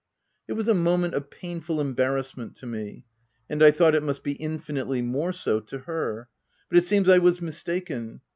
It was a moment of painful embarrass ment to me, and I thought it must be infinitely more so to her ; but it seems I was mistaken.